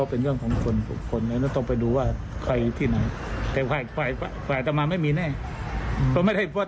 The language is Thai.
ไปต้องดูกฎหมายดูวินัยท่ากัญชกทรัพย์